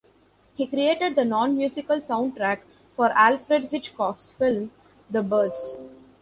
He created the non-musical soundtrack for Alfred Hitchcock's film "The Birds".